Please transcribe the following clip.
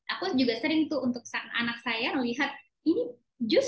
aku juga sering itu untuk saya yang menggunakan gula yang dikonsumsi